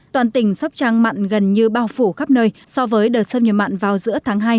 toàn tỉnh sóc trăng mặn gần như bao phủ khắp nơi so với đợt xâm nhập mặn vào giữa tháng hai